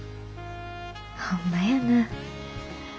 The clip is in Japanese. ホンマやな。